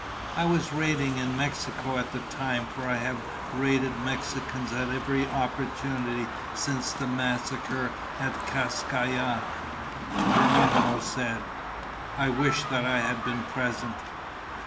"I was raiding in Mexico at the time, for I have raided Mexicans at every opportunity since the massacre at Kas Kai Ya," Geronimo said. "I wish that I had been present."